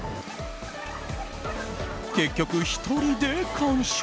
結局、１人で完食。